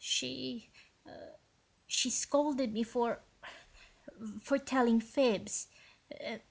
She ... she scolded me for ... for telling fibs